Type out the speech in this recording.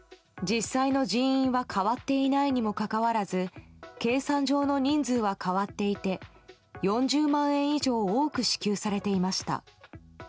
実際の人員は変わっていないにもかかわらず計算上の人数は変わっていて、４０万円以上多く支給されていました。